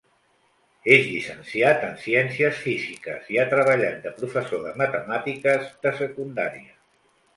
És llicenciat en Ciències Físiques i ha treballat de professor de matemàtiques de secundària.